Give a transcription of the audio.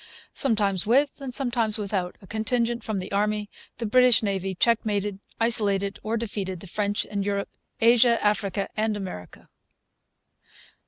Sometimes with, and sometimes without, a contingent from the Army, the British Navy checkmated, isolated, or defeated the French in Europe, Asia, Africa, and America.